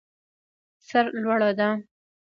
سر لوړه ده.